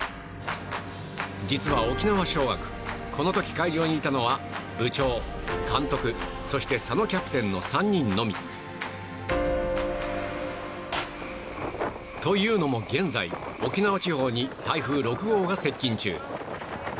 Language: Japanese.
実は沖縄尚学、この時会場にいたのは部長、監督そして佐野キャプテンの３人のみ。というのも現在沖縄地方に台風６号が接近中。